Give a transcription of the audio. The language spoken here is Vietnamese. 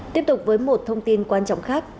tiếp tục với một thông tin quan trọng khác